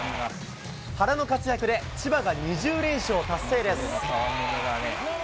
原の活躍で千葉が２０連勝達成です。